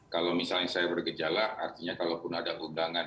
kalau misalnya saya bergejala artinya kalaupun ada undangan